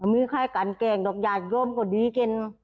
มีค่ากันแก่งดอกญาติร่มก็ดีเกิน